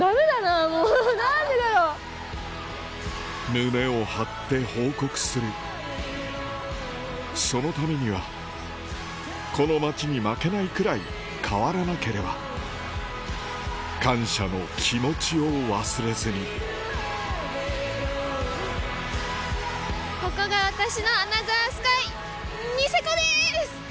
胸を張って報告するそのためにはこの町に負けないくらい変わらなければ感謝の気持ちを忘れずにここが私のアナザースカイニセコです！